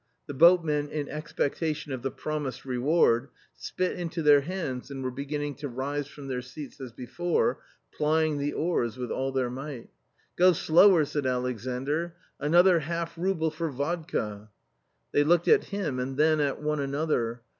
The boatmen in expectation of the promised reward, spit into their hands and were beginning to rise from their seats as before, plying the oars with all their might. " Go slower !" said Alexandr, " another half rouble for vodka !" They looked at him and then at one another.